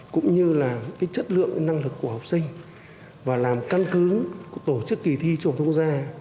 cũng như là cái chất lượng năng lực của học sinh và làm căn cứ tổ chức kỳ thi trung học phổ thông ra